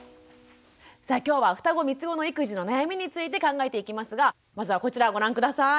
さあ今日はふたご・みつごの育児の悩みについて考えていきますがまずはこちらご覧下さい。